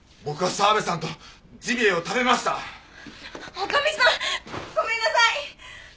女将さんごめんなさい！